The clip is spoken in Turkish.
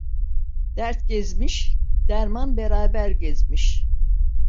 Dert gezmiş, derman beraber gezmiş.